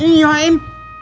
ini yuk aim